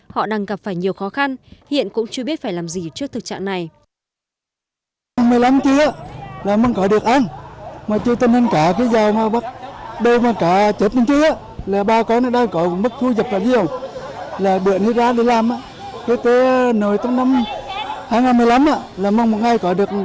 họ đang gặp phải nhiều khó khăn hiện cũng chưa biết phải làm gì trước thực trạng này